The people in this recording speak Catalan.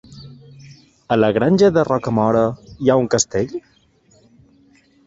A la Granja de Rocamora hi ha un castell?